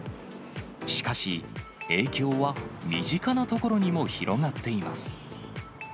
しかし、影響は身近な所にも広がっています。